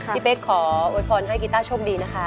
พี่เป๊กขอโวยพรให้กีต้าโชคดีนะคะ